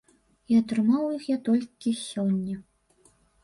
І атрымаў іх я толькі сёння.